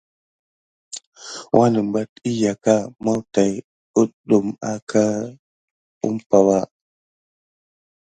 Wanəmbat əyaka mawu tat kudume aka umpay ba.